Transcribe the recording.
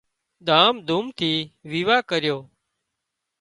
ڌام ڌُوم ٿِي ويواه ڪريو